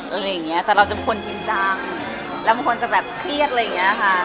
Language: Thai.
อะไรอย่างเงี้ยแต่เราจะเป็นคนจริงจังแล้วบางคนจะแบบเครียดอะไรอย่างเงี้ยค่ะ